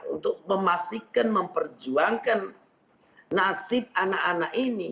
untuk memastikan memperjuangkan nasib anak anak ini